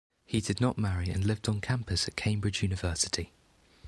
He did not marry and lived on campus at Cambridge University.